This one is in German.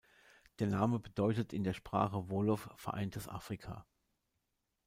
Der Name bedeutet in der Sprache Wolof "Vereintes Afrika".